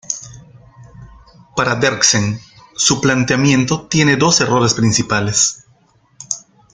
Para Derksen, su planteamiento tiene dos errores principales.